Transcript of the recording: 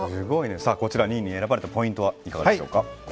こちら２位に選ばれたポイントいかがでしょうか。